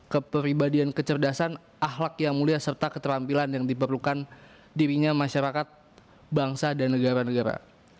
kepribadian kecerdasan ahlak yang mulia serta keterampilan yang diperlukan dirinya masyarakat bangsa dan negara negara